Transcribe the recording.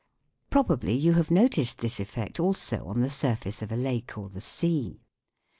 Probably you have noticed this effect also on the surface of a lake or the sea.